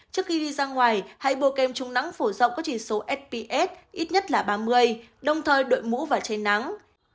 trước khi đi ra ngoài hãy bổ kem trung nắng phổ rộng có chỉ số sps ít nhất là ba mươi đồng thời đội mũ và cháy nắng